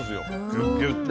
ギュッギュッて。